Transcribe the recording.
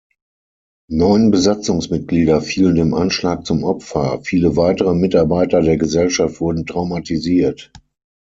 Neun Besatzungsmitglieder fielen dem Anschlag zum Opfer, viele weitere Mitarbeiter der Gesellschaft wurden traumatisiert.